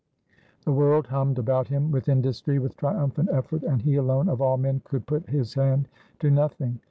The world hummed about him with industry, with triumphant effort; and he alone of all men could put his hand to nothing.